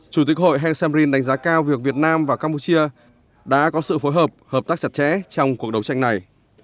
chủ tịch hội heng samrin đánh giá cao việc việt nam và campuchia đã có sự phối hợp hợp tác chặt chẽ trong cuộc đấu tranh này